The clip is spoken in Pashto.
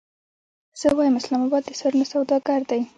زه وایم اسلام اباد د سرونو سوداګر دی.